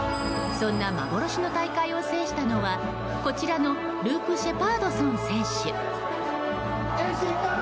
そんな幻の大会を制したのはこちらのルーク・シェパードソン選手。